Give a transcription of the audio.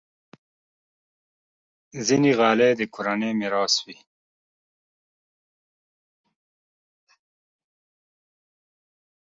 ځینې غالۍ د کورنۍ میراث وي.